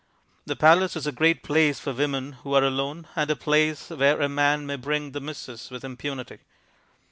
The Palace is a great place for women who are alone and a place where a man may bring "the missus" with impunity.